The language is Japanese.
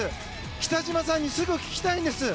北島さんに聞きたいんです。